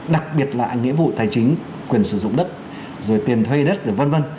đặc biệt là nghĩa vui tài chính quyền sử dụng đất rồi tiền thuê đất rồi vân vân